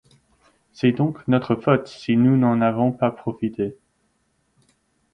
C'est donc notre faute si nous n'en avons pas profité.